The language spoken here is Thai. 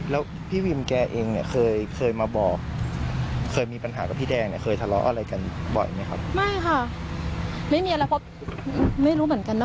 แล้วทุกคนจะรู้จักว่าคุณวิมเป็นคนยังไง